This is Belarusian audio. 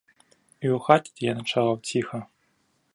І ў хаце, дзе я начаваў, ціха.